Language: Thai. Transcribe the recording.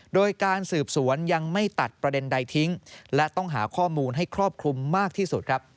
โดยการสืบสวนยังไม่ตัดประเด็นใดทิ้งและต้องหาข้อมูลให้ครอบคลุมมากที่สุดครับ